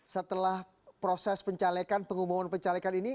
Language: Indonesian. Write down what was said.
setelah proses pencalekan pengumuman pencalekan ini